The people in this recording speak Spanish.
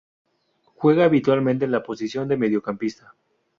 Juega habitualmente en la posición de mediocampista.